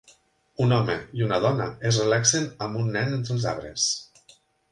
Un home i una dona es relaxen amb un nen entre els arbres.